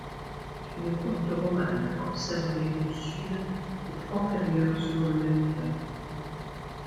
Une porte romane conservée au sud est antérieure selon le même auteur.